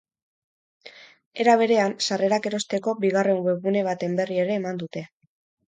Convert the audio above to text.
Era berean, sarrerak erosteko bigarren webgune baten berri ere eman dute.